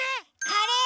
カレー。